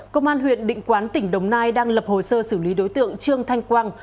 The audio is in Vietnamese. công an huyện định quán tỉnh đồng nai đang lập hồ sơ xử lý đối tượng trương thanh quang